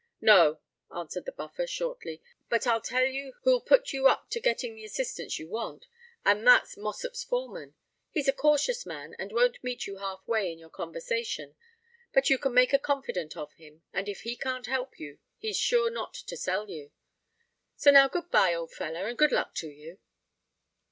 "No," answered the Buffer shortly. "But I'll tell you who'll put you up to getting the assistance you want:—and that's Mossop's foreman. He's a cautious man, and won't meet you half way in your conversation; but you can make a confidant of him, and if he can't help you, he's sure not to sell you. So now good bye, old feller; and good luck to you."